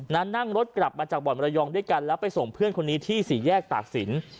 นั่งรถกลับมาจากบ่อนมรยองด้วยกันแล้วไปส่งเพื่อนคนนี้ที่สี่แยกตากศิลป์